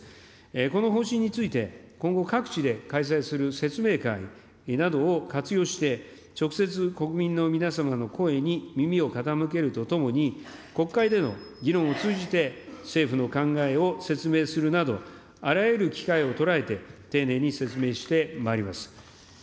この方針について、今後、各地で開催する説明会などを活用して、直接、国民の皆様の声に耳を傾けるとともに、国会での議論を通じて、政府の考えを説明するなど、あらゆる機会を捉えて、丁寧に説明してまいります。